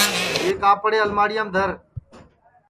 یہ کاپڑے الماڑِیام دھر